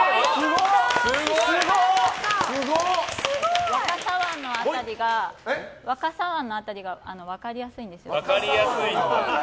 すごい！若狭湾の辺りが分かりやすいんですよ。